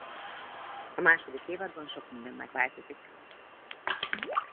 A második évadban sok minden megváltozik.